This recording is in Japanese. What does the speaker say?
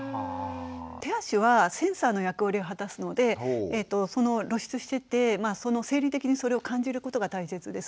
手足はセンサーの役割を果たすので露出してて生理的にそれを感じることが大切です。